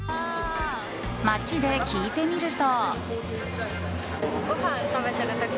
街で聞いてみると。